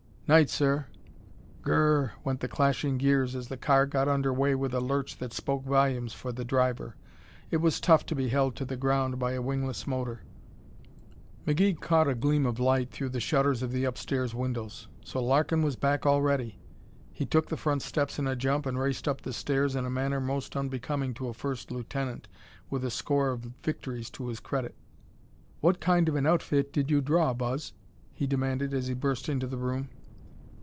"'Night sir." Gurrr! went the clashing gears as the car got under way with a lurch that spoke volumes for the driver. It was tough to be held to the ground by a wingless motor. McGee caught a gleam of light through the shutters of the upstairs windows. So Larkin was back already? He took the front steps in a jump and raced up the stairs in a manner most unbecoming to a First Lieutenant with a score of victories to his credit. "What kind of an outfit did you draw, Buzz?" he demanded as he burst into the room.